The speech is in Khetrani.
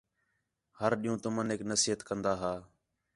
ہر ݙِین٘ہوں تمنیک نصیحت کندا ھا